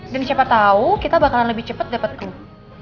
dan siapa tau kita bakalan lebih cepet dapet clue